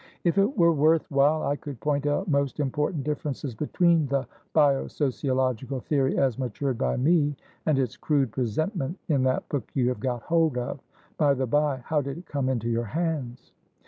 If it were worth while, I could point out most important differences between the bio sociological theory as matured by me and its crude presentment in that book you have got hold of. By the bye, how did it come into your hands?"